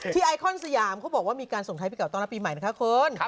ไอคอนสยามเขาบอกว่ามีการส่งท้ายปีเก่าต้อนรับปีใหม่นะคะคุณ